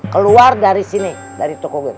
keluar dari sini dari toko